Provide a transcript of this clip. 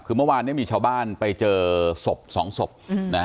คือเมื่อวานนี้มีชาวบ้านไปเจอสมสองสม